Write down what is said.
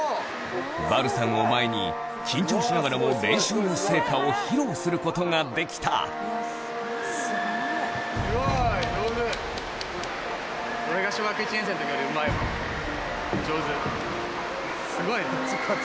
バルさんを前に緊張しながらも練習の成果を披露することができた上手すごい！